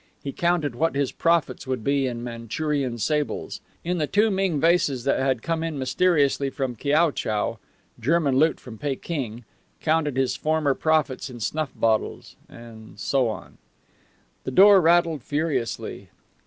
He counted what his profits would be in Manchurian sables; in the two Ming vases that had come in mysteriously from Kiao chau German loot from Peking; counted his former profits in snuff bottles, and so on. The door rattled furiously.